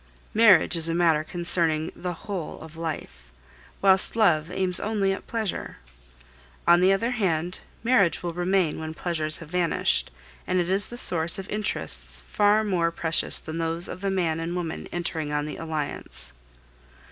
Marriage is a matter concerning the whole of life, whilst love aims only at pleasure. On the other hand, marriage will remain when pleasures have vanished, and it is the source of interests far more precious than those of the man and woman entering on the alliance.